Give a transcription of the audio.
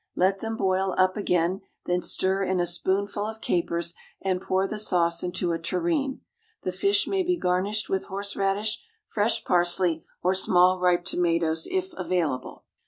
Let them boil up again, then stir in a spoonful of capers, and pour the sauce into a tureen. The fish may be garnished with horseradish, fresh parsley, or small ripe tomatoes, if available.